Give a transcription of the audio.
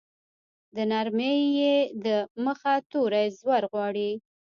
د نرمې ی د مخه توری زور غواړي.